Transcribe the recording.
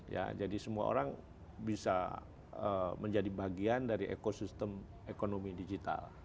ya jadi semua orang bisa menjadi bagian dari ekosistem ekonomi digital